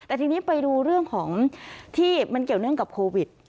แต่ทีนี้ไปดูเรื่องของที่มันเกี่ยวเนื่องกับโควิด